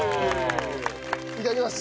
いただきます。